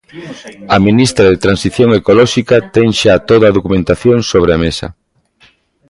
A ministra de Transición Ecolóxica ten xa toda a documentación sobre a mesa.